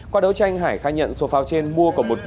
qua đấu tranh hải khai nhận số pháo trên mua của một đối tranh